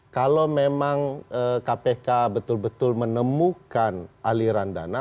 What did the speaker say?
kalau memang kpk betul betul menemukan aliran dana